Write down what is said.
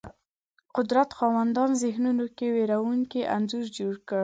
قدرت خاوندانو ذهنونو کې وېرونکی انځور جوړ کړ